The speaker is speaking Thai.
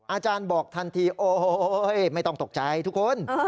อาจารย์บอกทันทีโอ้โหไม่ต้องตกใจทุกคน